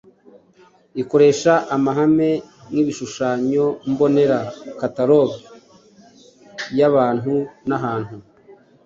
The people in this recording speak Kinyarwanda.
ikoresha amahame nkibishushanyo mbonera, kataloge yabantu n’ahantu